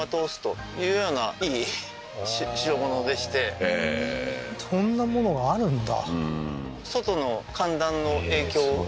これへえーそんなものがあるんだ